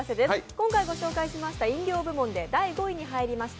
今回ご紹介しました飲料部門で第５位に入りました